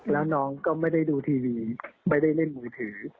แล้วน้องก็ไม่ได้ดูทีวีไม่ได้เล่นมือถือ